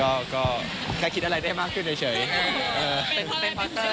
โอ้วเดี๋ยวโดนหนักแน่เลยอ่ะ